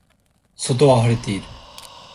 外は晴れている